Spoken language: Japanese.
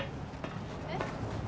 えっ？